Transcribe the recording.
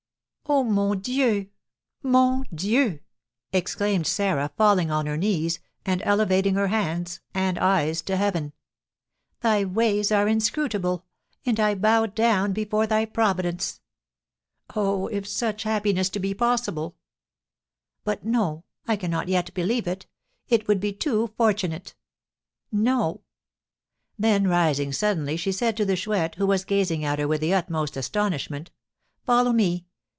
"Oh, mon Dieu! mon Dieu!" exclaimed Sarah, falling on her knees, and elevating her hands and eyes to heaven, "Thy ways are inscrutable, and I bow down before thy providence! Oh, if such happiness be possible! But, no, I cannot yet believe it; it would be too fortunate! No!" Then rising suddenly she said to the Chouette, who was gazing at her with the utmost astonishment, "Follow me!"